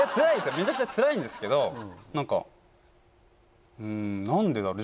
めちゃくちゃつらいんですけど何かうん何でだろう？